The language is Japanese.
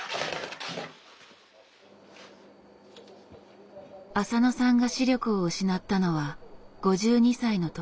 浅野さんが視力を失ったのは５２歳の時。